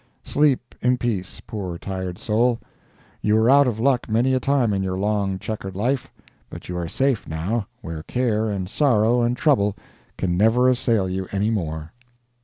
Sleep in peace, poor tired soul!—you were out of luck many a time in your long, checkered life, but you are safe now where care and sorrow and trouble can never assail you anymore.